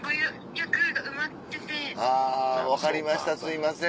あぁ分かりましたすいません